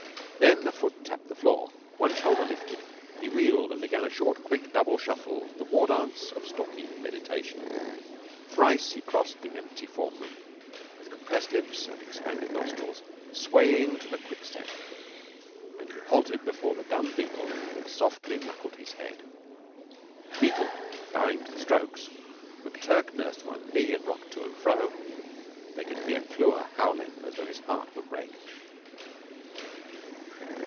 Then a foot tapped the floor; one shoulder lifted; he wheeled, and began the short quick double shuffle the war dance of Stalky in meditation. Thrice he crossed the empty form room, with compressed lips and expanded nostrils, swaying to the quick step. Then he halted before the dumb Beetle and softly knuckled his head, Beetle bowing to the strokes. McTurk nursed one knee and rocked to and fro. They could hear Clewer howling as though his heart would break.